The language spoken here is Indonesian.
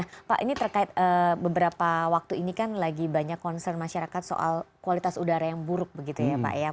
nah pak ini terkait beberapa waktu ini kan lagi banyak concern masyarakat soal kualitas udara yang buruk begitu ya pak ya